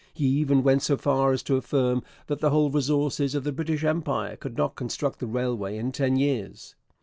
He even went so far as to affirm that the whole resources of the British Empire could not construct the railway in ten years.